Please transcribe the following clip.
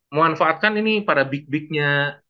memanfaatkan ini pada big big nya